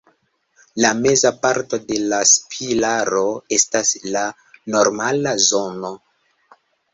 La meza parto de la spiralo estas la normala zono.